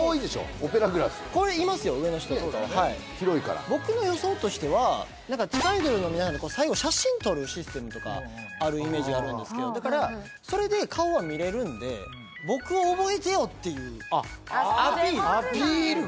オペラグラスこれいますよ上の人とかははい・広いから僕の予想としては何か地下アイドルの皆さんって最後写真撮るシステムとかあるイメージがあるんですけどだからそれで顔は見れるんで僕を覚えてよっていうアピールアピールか！